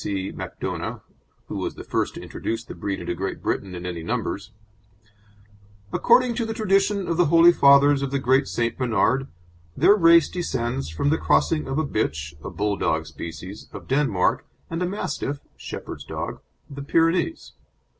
C. Macdona, who was the first to introduce the breed into Great Britain in any numbers: "According to the tradition of the Holy Fathers of the Great Saint Bernard, their race descends from the crossing of a bitch (a Bulldog species) of Denmark and a Mastiff (Shepherd's Dog) of the Pyrenees.